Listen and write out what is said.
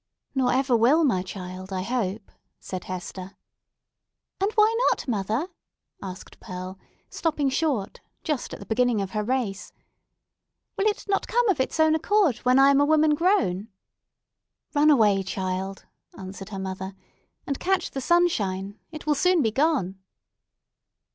"Nor ever will, my child, I hope," said Hester. "And why not, mother?" asked Pearl, stopping short, just at the beginning of her race. "Will not it come of its own accord when I am a woman grown?" "Run away, child," answered her mother, "and catch the sunshine. It will soon be gone."